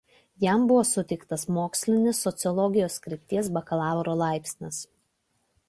Jam buvo suteiktas mokslinis sociologijos krypties bakalauro laipsnis.